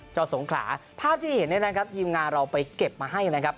สงขลาภาพที่เห็นเนี่ยนะครับทีมงานเราไปเก็บมาให้นะครับ